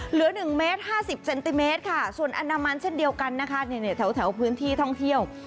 เหลือ๑เมตร๕๐เซนติเมตรค่ะส่วนอนามันเช่นเดียวกันนะคะแถวพื้นที่ท่องเที่ยว